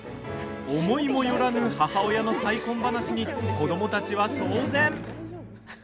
思いもよらぬ母親の再婚話に子どもたちは騒然。